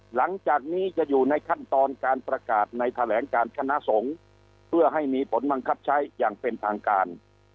หลังจากนี้จะอยู่ในขั้นตอนการประกาศในแถลงการคณะสงฆ์เพื่อให้มีผลบังคับใช้อย่างเป็นทางการ